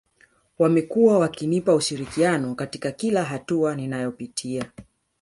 Wamekuwa wakinipa ushirikiano katika kila hatua ninayopitia